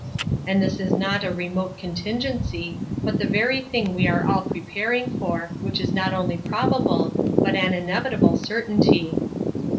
And this is not a remote contingency, but the very thing we are all preparing for, which is not only probable, but an inevitable certainty.